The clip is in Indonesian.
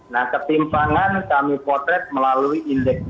nah ketimpangan kami potret melalui indeks